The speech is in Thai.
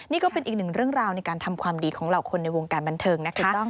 นี่ก็เป็นอีกหนึ่งเรื่องราวในการทำความดีของเหล่าคนในวงการบันเทิงนะคะ